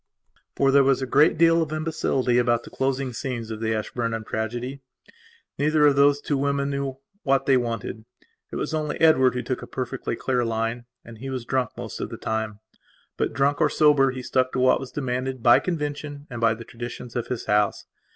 For there was a great deal of imbecility about the closing scenes of the Ashburnham tragedy. Neither of those two women knew what they wanted. It was only Edward who took a perfectly clear line, and he was drunk most of the time. But, drunk or sober, he stuck to what was demanded by convention and by the traditions of his house.